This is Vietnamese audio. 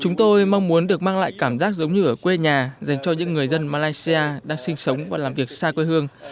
chúng tôi mong muốn được mang lại cảm giác giống như ở quê nhà dành cho những người dân malaysia đang sinh sống và làm việc xa quê hương